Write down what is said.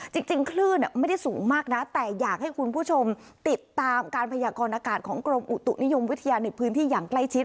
จริงคลื่นไม่ได้สูงมากนะแต่อยากให้คุณผู้ชมติดตามการพยากรณากาศของกรมอุตุนิยมวิทยาในพื้นที่อย่างใกล้ชิด